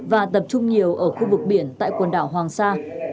và tập trung nhiều ở khu vực biển tại quần đảo hoàng sa